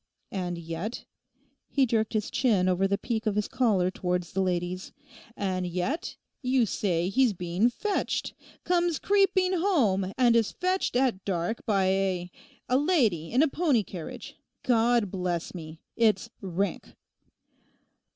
And yet,' he jerked his chin over the peak of his collar towards the ladies, 'and yet you say he's being fetched; comes creeping home, and is fetched at dark by a—a lady in a pony carriage. God bless me! It's rank.